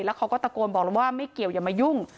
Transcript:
เขาก็ตะโกนบอกแล้วว่าไม่เกี่ยวอย่ามายุ่ง